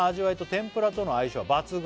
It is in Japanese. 「天ぷらとの相性は抜群」